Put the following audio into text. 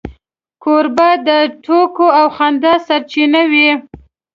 کوربه د ټوکو او خندا سرچینه وي.